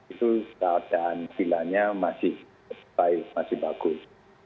itu keadaan villanya masih baik masih bagus